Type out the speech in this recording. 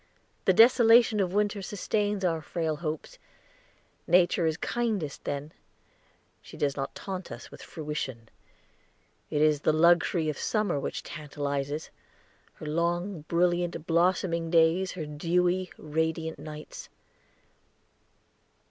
The desolation of winter sustains our frail hopes. Nature is kindest then; she does not taunt us with fruition. It is the luxury of summer which tantalizes her long, brilliant, blossoming days, her dewy, radiant nights.